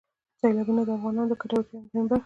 سیلابونه د افغانانو د ګټورتیا یوه مهمه برخه ده.